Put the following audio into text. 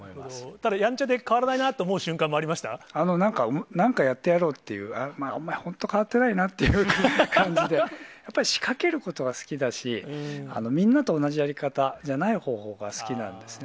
ただやんちゃで変わらないななんか、なんかやってやろうっていう、お前、本当に変わってないなっていう感じで、やっぱり仕掛けることが好きだし、みんなと同じやり方じゃない方法が好きなんですね。